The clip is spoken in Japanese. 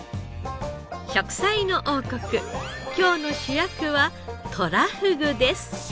『食彩の王国』今日の主役はとらふぐです。